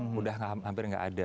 sudah hampir nggak ada